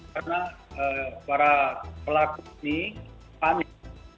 karena para pelaku ini panik